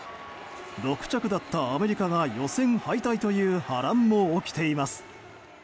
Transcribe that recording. ６着だったアメリカが予選敗退という波乱も起きています。